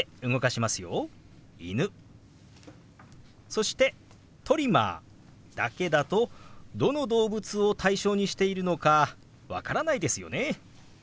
そして「トリマー」だけだとどの動物を対象にしているのか分からないですよね。